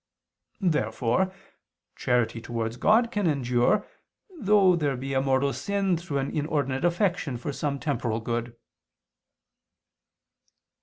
Therefore charity towards God can endure, though there be a mortal sin through an inordinate affection for some temporal good.